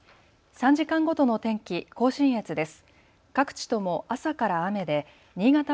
３時間ごとの天気、甲信越です。